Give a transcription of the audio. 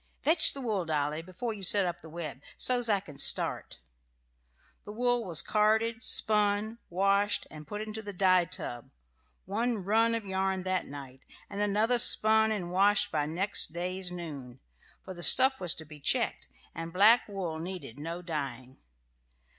Fetch the wool, Dolly, before you set up the web, so's I can start." The wool was carded, spun, washed, and put into the dye tub, one "run" of yarn that night; and another spun and washed by next day's noon for the stuff was to be checked, and black wool needed no dyeing.